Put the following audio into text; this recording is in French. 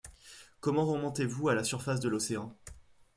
Comment remontez-vous à la surface de l’Océan ?